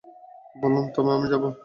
বলুন, তবে আমি যাবো।